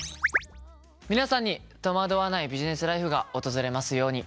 皆さんに戸惑わないビジネスライフが訪れますように。